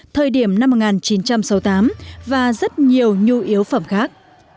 thời điểm năm một nghìn chín trăm sáu mươi tám và rất nhiều nhu yếu phẩm khác